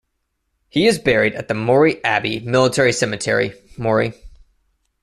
He is buried at the Morey Abbey Military Cemetery, Mory.